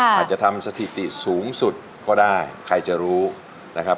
อาจจะทำสถิติสูงสุดก็ได้ใครจะรู้นะครับ